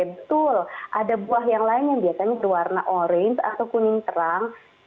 betul ada buah yang lain yang biasanya berwarna orange atau kuning terang